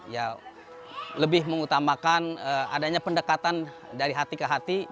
ya lebih mengutamakan adanya pendekatan dari hati ke hati